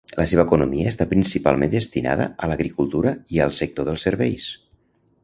La seva economia està principalment destinada a l'agricultura i al sector dels serveis.